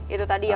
itu tadi ya